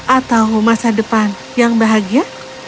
atau masa depan yang bahagia